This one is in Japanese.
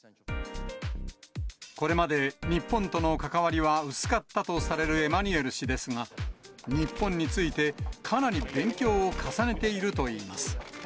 これまで日本との関わりは薄かったとされるエマニュエル氏ですが、日本について、かなり勉強を重ねているといいます。